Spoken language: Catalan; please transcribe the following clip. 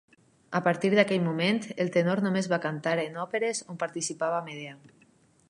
A partir d'aquell moment el tenor només va cantar en òperes on participava Medea.